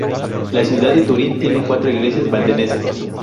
La ciudad de Turín tiene cuatro iglesias valdenses.